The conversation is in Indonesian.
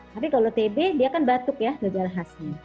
tapi kalau tb dia kan batuk ya gejala khasnya